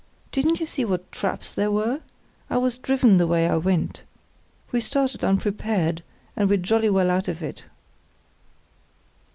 Didn't you see what traps there were? I was driven the way I went. We started unprepared, and we're jolly well out of it."